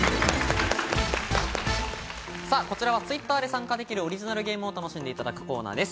Ｔｗｉｔｔｅｒで参加できるオリジナルゲームを楽しんでいただくコーナーです。